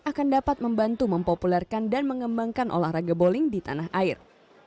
akan dapat membantu mempopulerkan dan mengembangkan olahraga bowling di tanah air